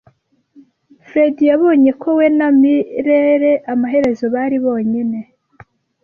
Fredy yabonye ko we na Mirelle amaherezo bari bonyine.